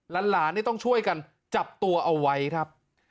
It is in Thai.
หลานต้องช่วยกันจับตัวเอาไว้ครับ